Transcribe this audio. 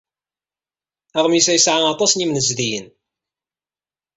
Aɣmis-a yesɛa aṭas n yimnezdiyen.